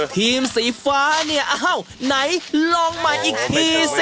ทีมสีฟ้าเนี่ยอ้าวไหนลองใหม่อีกทีสิ